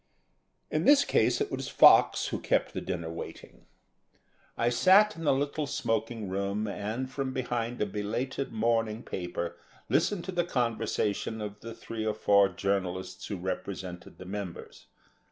In this case it was Fox who kept the dinner waiting. I sat in the little smoking room and, from behind a belated morning paper, listened to the conversation of the three or four journalists who represented the members.